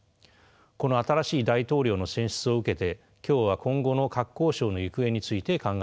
この新しい大統領の選出を受けて今日は今後の核交渉の行方について考えてみます。